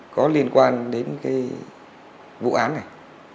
có liên quan đến cái vụ án này